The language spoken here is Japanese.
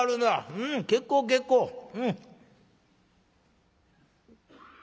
うん結構結構うん」。